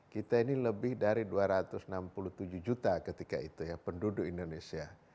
kita ini lebih dari dua ratus enam puluh tujuh juta ketika itu ya penduduk indonesia